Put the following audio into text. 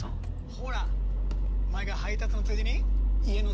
ほらお前が配達のついでに家の掃除をしてやってる。